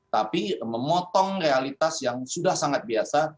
tapi memotong realitas yang sudah sangat biasa